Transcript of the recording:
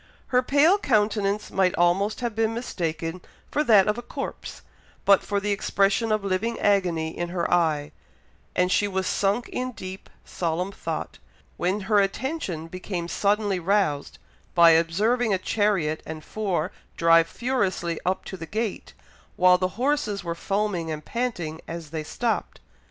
Her pale countenance might almost have been mistaken for that of a corpse, but for the expression of living agony in her eye; and she was sunk in deep, solemn thought, when her attention became suddenly roused by observing a chariot and four drive furiously up to the gate, while the horses were foaming and panting as they stopped.